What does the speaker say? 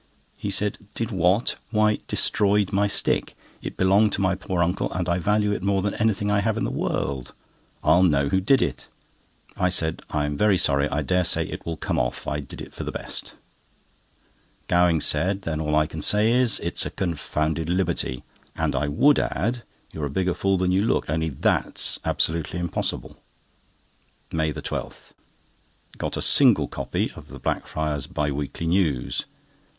He said: "Did what? Why, destroyed my stick! It belonged to my poor uncle, and I value it more than anything I have in the world! I'll know who did it." I said: "I'm very sorry. I dare say it will come off. I did it for the best." Gowing said: "Then all I can say is, it's a confounded liberty; and I would add, you're a bigger fool than you look, only that's absolutely impossible." MAY 12.—Got a single copy of the Blackfriars Bi weekly News.